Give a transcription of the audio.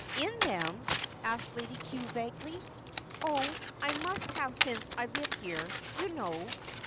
"In them?" asked Lady Cue vaguely. "Oh, I must have since I live here, you know.